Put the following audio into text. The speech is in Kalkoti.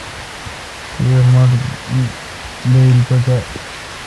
تپہ مٹھ بایل پکار۔